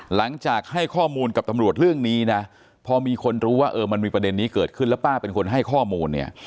หลังจากให้ข้อมูลกับตำรวจเรื่องนี้นะพอมีคนรู้ว่าเออมันมีประเด็นนี้เกิดขึ้นแล้วป้าเป็นคนให้ข้อมูลเนี่ย